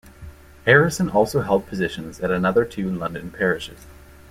Harrison also held positions at another two London parishes.